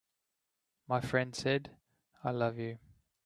My friend said: "I love you.